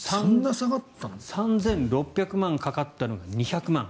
３６００万円かかったのが２００万円。